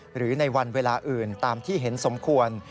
หรือในวันเวลาอื่นตามที่เห็นสมควร